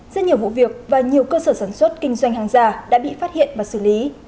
rất nhiều vụ việc và nhiều cơ sở sản xuất kinh doanh hàng giả đã bị phát hiện và xử lý